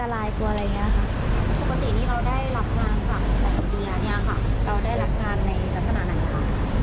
เราได้รับงานในลักษณะไหนค่ะ